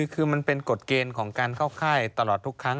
คือมันเป็นกฎเกณฑ์ของการเข้าค่ายตลอดทุกครั้ง